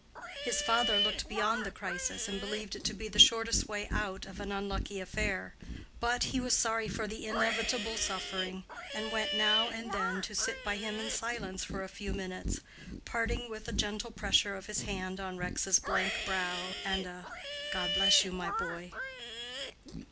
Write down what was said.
His father looked beyond the crisis, and believed it to be the shortest way out of an unlucky affair; but he was sorry for the inevitable suffering, and went now and then to sit by him in silence for a few minutes, parting with a gentle pressure of his hand on Rex's blank brow, and a "God bless you, my boy."